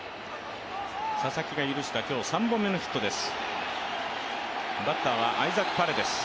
佐々木が許した今日３本目のヒットです。